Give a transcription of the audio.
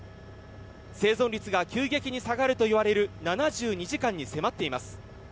生存率が急激に下がるといわれる７２時間に迫っています。